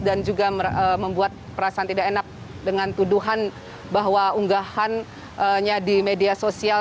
dan juga membuat perasaan tidak enak dengan tuduhan bahwa unggahannya di media sosial